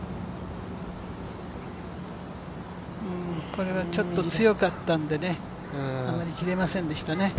これはちょっと強かったんでね、あまり切れませんでしたね。